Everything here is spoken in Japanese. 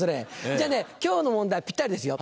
じゃあね今日の問題はぴったりですよ。